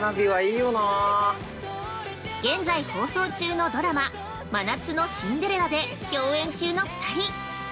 現在放送中のドラマ「真夏のシンデレラ」で共演中の２人。